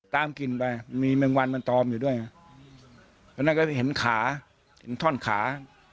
ตามกินนานไปมีแม่งวังมันตอมอยู่ด้วยนะพนักก็จะเห็นขาเห็นถ้อนขา